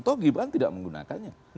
toh gibran tidak menggunakannya